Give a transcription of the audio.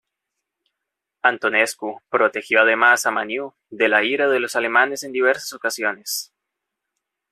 Antonescu protegió además a Maniu de la ira de los alemanes en diversas ocasiones.